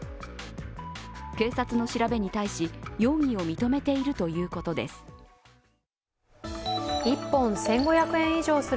警察の調べに対し、容疑を認めているということです。